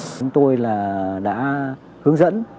chúng tôi đã hướng dẫn